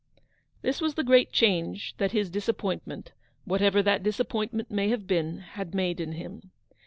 This was the great change that his disappoint ment — whatever that disappointment may have been — had made in him.